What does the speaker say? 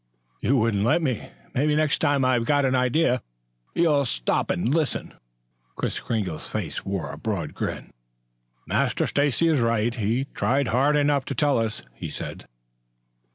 "You wouldn't let me. Maybe next time I've got an idea, you'll stop and listen." Kris Kringle's face wore a broad grin. "Master Stacy is right. He tried hard enough to tell us," he said.